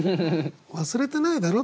忘れてないだろ？